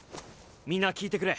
みんな聞いてくれ。